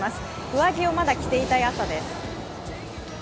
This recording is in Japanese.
上着をまだ着ていたい朝です。